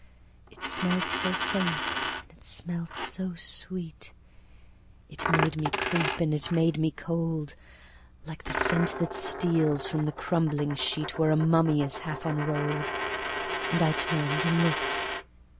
It smelt so faint, and it smelt so sweet, It made me creep, and it made me cold! Like the scent that steals from the crumbling sheetWhere a mummy is half unroll'd. And I turn'd, and look'd.